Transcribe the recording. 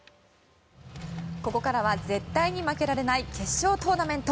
ここからは、絶対に負けられない決勝トーナメント。